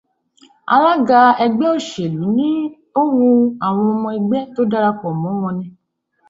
Alága ẹgbẹ́ òṣèlú ní ó wu àwọn ọmọ ẹgbẹ́ tó darapọ̀ mọ́ wọn ni.